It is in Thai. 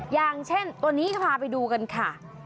อย่างเช่นตัวนี้จะพาไปดูกันค่ะ